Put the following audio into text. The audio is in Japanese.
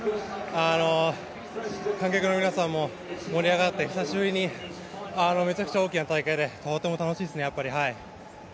観客の皆さんも盛り上がって、久しぶりにめちゃくちゃ大きな大会で、とっても楽しいです。